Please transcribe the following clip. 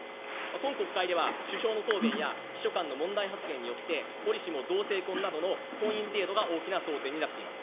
今国会ではの答弁や秘書官の問題発言について、折しも同性婚などの婚姻制度が大きな争点になっています。